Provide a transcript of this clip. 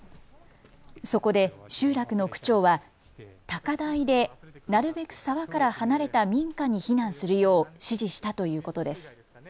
そこで集落の区長は高台でなるべく沢から離れた民家に避難するよう指示したということです。